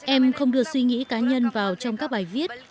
em không đưa suy nghĩ cá nhân vào trong các bài viết